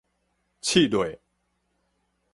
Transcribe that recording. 揤落去